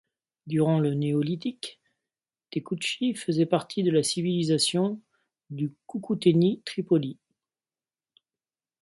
Durant le néolithique, Tecuci faisait partie de la civilisation de Coucouteni-Tripolie.